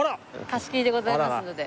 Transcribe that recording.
貸し切りでございますので。